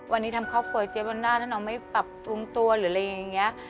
วันนี้ทำครอบครัวเจ๊วันน่าถ้าน้องไม่ปรับปรุงตัวหรืออะไรอย่างนี้